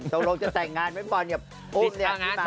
ตรงโลกจะแต่งงานไว้บ่อนอย่างอุ้ม